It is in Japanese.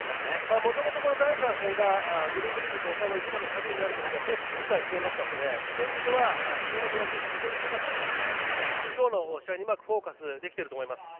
もともと第３戦がグループリーグ突破の一番の鍵になることは選手たちも理解していたのでそういう意味では昨日のブラジル非常に強かったんですけど今日の試合にうまくフォーカスできていると思います。